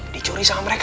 dicuri sama mereka